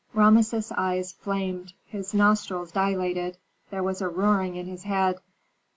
Rameses' eyes flamed, his nostrils dilated, there was a roaring in his head.